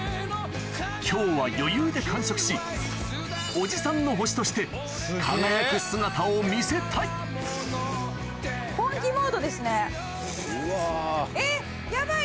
今日は余裕で完食しおじさんの星として輝く姿を見せたいえっヤバい